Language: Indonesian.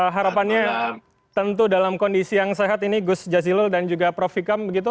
harapannya tentu dalam kondisi yang sehat ini gus jazilul dan juga prof vikam begitu